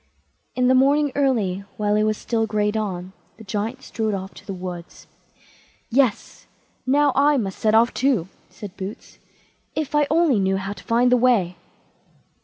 In the morning early, while it was still grey dawn, the Giant strode off to the wood. "Yes! now I must set off too", said Boots; "if I only knew how to find the way."